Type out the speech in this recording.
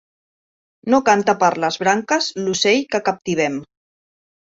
No canta per les branques l'ocell que captivem.